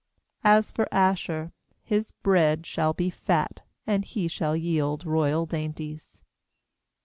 20As for Asher, his bread shall be fat, And he shall yield royal dainties.